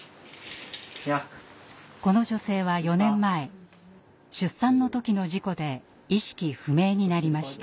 この女性は４年前出産の時の事故で意識不明になりました。